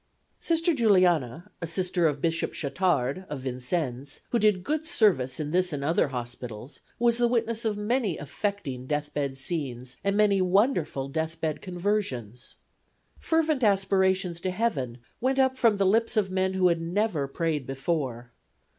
Sister Juliana, a sister of Bishop Chatard, of Vincennes, who did good service in this and other hospitals, was the witness of many affecting death bed scenes and many wonderful death bed conversions. Fervent aspirations to heaven went up from the lips of men who had never prayed before.